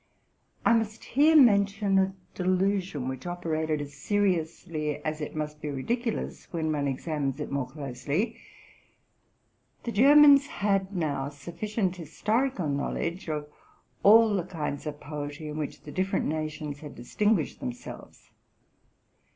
I must here mention a delusion, which operated as seriously as if must be ridiculous when one examines it more closely. The Germans had now sufficient historical knowledge of all the kinds of poetry in which the different nations had distin guished themselves.